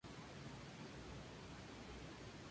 No milicia.